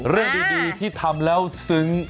เรื่องดีที่ทำแล้วซึ้ง